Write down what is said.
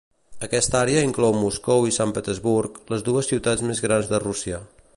Aquesta àrea inclou Moscou i Sant Petersburg, les dues ciutats més grans de Rússia.